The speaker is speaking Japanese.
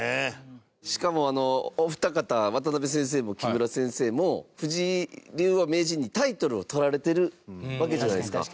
しかも、あのお二方渡辺先生も木村先生も藤井竜王・名人にタイトルをとられてるわけじゃないですか。